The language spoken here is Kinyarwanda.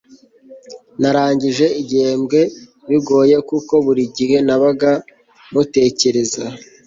Narangije igihembwe bingoye kuko burigihe nabaga mutekereza